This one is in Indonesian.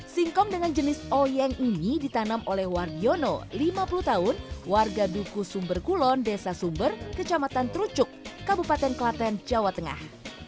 singkong dengan jenis oyeng ini ditanam oleh wargiono lima puluh tahun warga duku sumber kulon desa sumber kecamatan trucuk kabupaten klaten jawa tengah